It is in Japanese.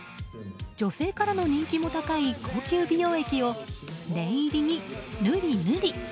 女性からの人気も高い高級美容液を念入りにぬりぬり。